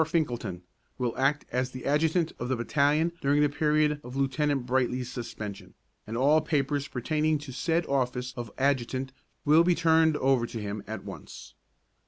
Finkelton will act as adjutant of the battalion during the period of Lieutenant Brightly's suspension, and all papers pertaining to said office of adjutant will be turned over to him at once.